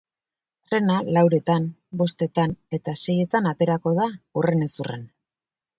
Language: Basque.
Trena lauretan, bostetan eta seietan aterako da, hurrenez hurren.